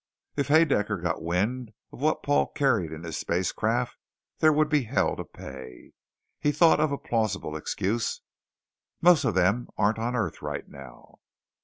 If Haedaecker got wind of what Paul carried in his spacecraft, there would be hell to pay. He thought of a plausible excuse. "Most of them aren't on earth right now."